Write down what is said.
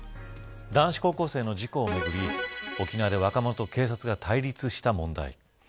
男子高校生の事故をめぐり沖縄で若者と警察が対立した問題。